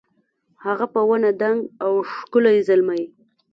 هغه په ونه دنګ او ښکلی زلمی